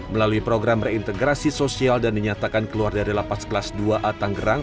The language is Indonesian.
melalui program reintegrasi sosial dan dinyatakan keluar dari lapas kelas dua a tanggerang